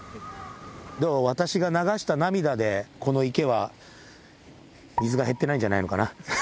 でも私が流した涙で、この池は水が減ってないんじゃないのかな。